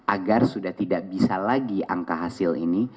agar sudah tidak bisa lagi angka hasil ini